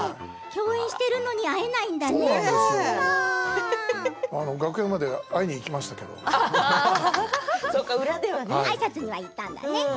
共演しているのに会えないんだね。